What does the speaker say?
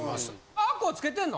あっこはつけてんの？